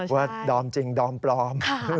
ดอมจริงดอมปลอม